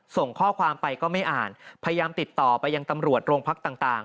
ส่งข้อความไปก็ไม่อ่านพยายามติดต่อไปยังตำรวจโรงพักต่าง